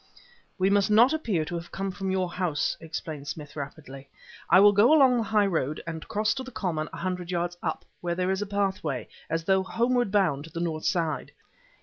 "We must not appear to have come from your house," explained Smith rapidly. "I will go along the highroad and cross to the common a hundred yards up, where there is a pathway, as though homeward bound to the north side.